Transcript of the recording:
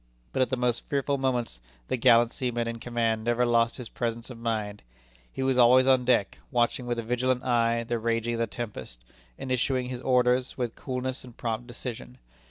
But at the most fearful moments the gallant seaman in command never lost his presence of mind. He was always on deck, watching with a vigilant eye the raging of the tempest, and issuing his orders with coolness and prompt decision.